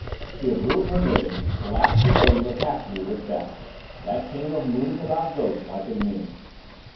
She had ruined her knitting, the last two rows would have to be ripped out. That came of mooning about ghosts like a ninny.